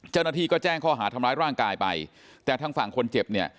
เจ้าหน้าที่ก็แจ้งข้อหาทำร้ายร่างกายไปแต่ทางฝั่งคนเจ็บเนี่ย